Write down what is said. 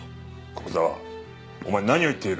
古久沢お前何を言っている？